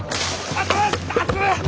熱っ！